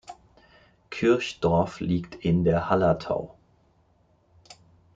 Kirchdorf liegt in der Hallertau.